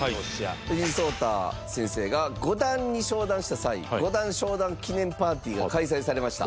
藤井聡太先生が五段に昇段した際五段昇段記念パーティーが開催されました。